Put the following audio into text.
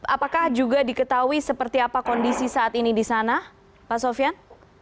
apakah juga diketahui seperti apa kondisi saat ini di sana pak sofian